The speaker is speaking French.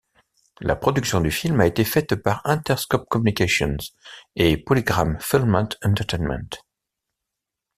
La production du film a été faite par Interscope Communications et PolyGram Filmed Entertainment.